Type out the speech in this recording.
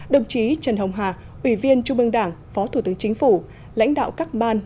đồng chí trần hồng hà ủy viên trung ương đảng phó thủ tướng chính phủ lãnh đạo các ban